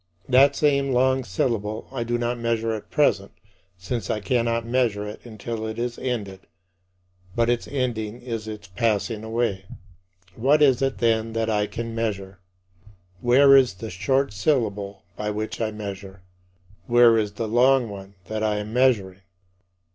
That same long syllable I do not measure as present, since I cannot measure it until it is ended; but its ending is its passing away. What is it, then, that I can measure? Where is the short syllable by which I measure? Where is the long one that I am measuring?